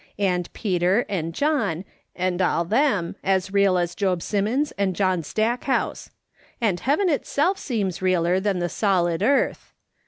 And " Peter" and "John" and all them as real as Job Simmons and John Stackhouse ; and heaven itself seems realer than the solid earth.